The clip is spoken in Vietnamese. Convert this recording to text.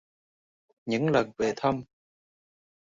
Những lần về thăm